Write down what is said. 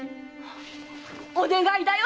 〔お願いだよ